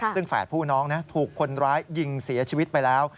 ซึ่งแฝดผู้น้องถูกคนร้ายยิงเสียชีวิตไปแล้ว